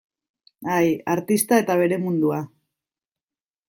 Ai, artista eta bere mundua.